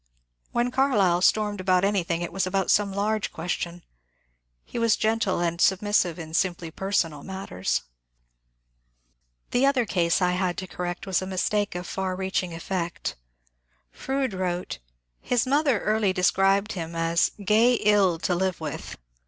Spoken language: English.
When Carlyle stormed about anything it was about some large question ; he was gentle and submissive in simply personal matters. The other case I had to correct was a mistake of far reach ing effect. Froude wrote :^^ His mother early described him as ^ gay ill to live with.